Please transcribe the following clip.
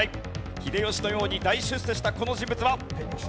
秀吉のように大出世したこの人物は？